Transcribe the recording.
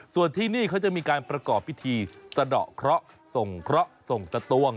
ส่วนที่นี่เขาจะมีการประกอบพิธีสะดอกเคราะห์ส่งเคราะห์ส่งสตวง